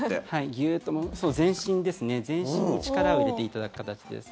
ギューッと全身に力を入れていただく形です。